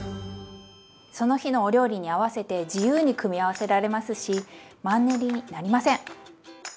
その日のお料理に合わせて自由に組み合わせられますしマンネリになりません！